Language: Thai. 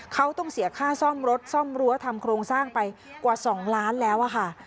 เขาต้องเสียค่าซ่อมรถซ่อมรั้วทำโครงสร้างไปกว่า๒ล้านแล้วค่ะ